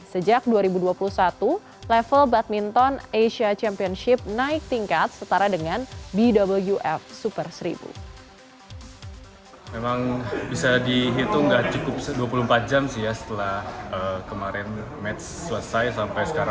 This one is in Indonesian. sejak dua ribu dua puluh satu level badminton asia championship naik tingkat setara dengan bwf super seribu